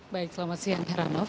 baik selamat siang heranov